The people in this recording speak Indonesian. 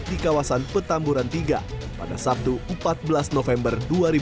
di kawasan petamburan tiga pada sabtu empat belas november dua ribu dua puluh